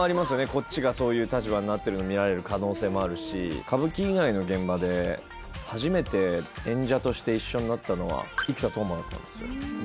こっちがそういう立場になってるの見られる可能性もあるし歌舞伎以外の現場で初めて演者として一緒になったのは生田斗真だったんですよで